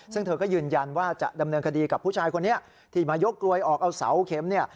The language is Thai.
ซึ่งเธอก็ยืนยันว่าจะดำเนินคดีกับผู้ชายคนนี้ที่มายกกลวยออกเอาเสาเข็มเนี่ย